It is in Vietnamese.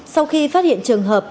sau khi phát hiện trường hợp